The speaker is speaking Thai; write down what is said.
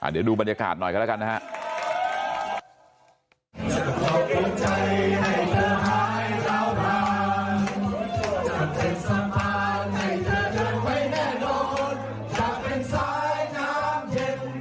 เดี๋ยวดูบรรยากาศหน่อยกันนะครับ